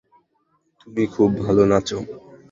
তুমি খুব ভালো নাচো।